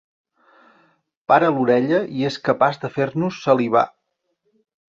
Para l'orella i és capaç de fer-nos salivar.